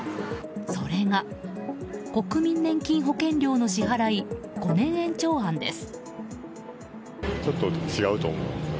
それが、国民年金保険料の支払い５年延長案です。